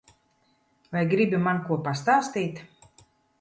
Vai gribi man ko pastāstīt?